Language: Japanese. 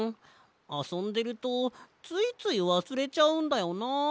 あそんでるとついついわすれちゃうんだよな。